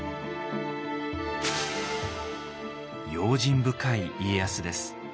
用心深い家康です。